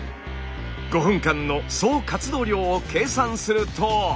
５分間の総活動量を計算すると。